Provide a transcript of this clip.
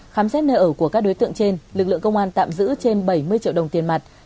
khám xét nơi ở của các đối tượng trên lực lượng công an tạm giữ trên bảy mươi triệu đồng tiền mặt